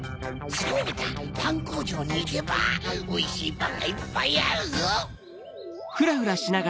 そうだパンこうじょうにいけばおいしいパンがいっぱいあるぞ！